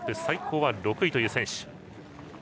最高は６位という選手。